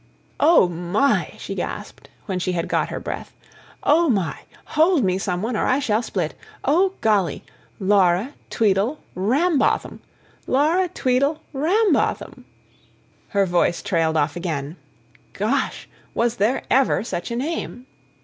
"Oh, my!" she gasped, when she had got her breath. "Oh, my ... hold me, some one, or I shall split! Oh, golly! Laura ... Tweedle ... Rambotham Laura ... Tweedle ... Rambotham! ..." her voice tailed off again. "Gosh! Was there ever such a name?"